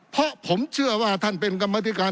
เพราะผมเชื่อว่าท่านเป็นกรรมธิการ